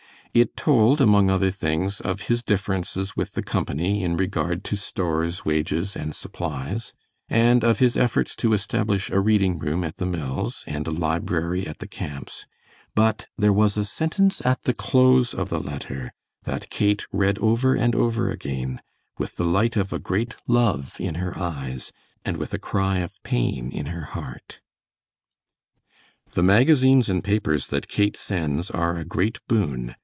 It told, among other things, of his differences with the company in regard to stores, wages, and supplies, and of his efforts to establish a reading room at the mills, and a library at the camps; but there was a sentence at the close of the letter that Kate read over and over again with the light of a great love in her eyes and with a cry of pain in her heart. "The magazines and papers that Kate sends are a great boon.